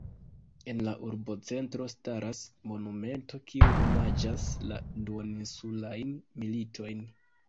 En la urbocentro staras monumento, kiu omaĝas la duoninsulajn militojn.